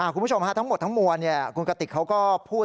คุณผู้ชมทั้งหมดทั้งมวลคุณกติกเขาก็พูด